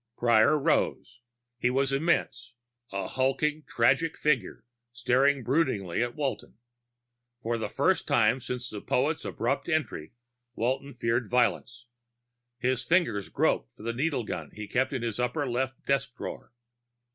Prior rose. He was immense, a hulking tragic figure staring broodingly at Walton. For the first time since the poet's abrupt entry, Walton feared violence. His fingers groped for the needle gun he kept in his upper left desk drawer.